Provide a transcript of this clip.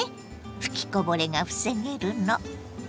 吹きこぼれが防げるの。